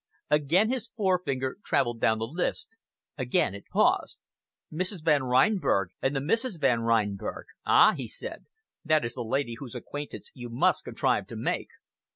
Again his forefinger travelled down the list again it paused. "Mrs. Van Reinberg, and the Misses Van Reinberg! Ah!" he said, "that is the lady whose acquaintance you must contrive to make."